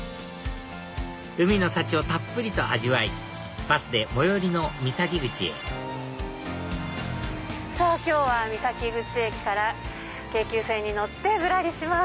海の幸をたっぷりと味わいバスで最寄りの三崎口へさぁ今日は三崎口駅から京急線に乗ってぶらりします。